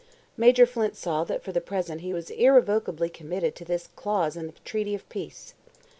Major Flint saw that for the present he was irrevocably committed to this clause in the treaty of peace.